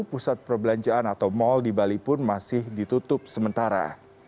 pusat perbelanjaan atau mal di bali pun masih ditutup sementara